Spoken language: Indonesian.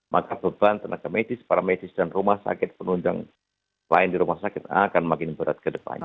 maka beban tenaga medis para medis dan rumah sakit penunjang lain di rumah sakit akan makin berat ke depan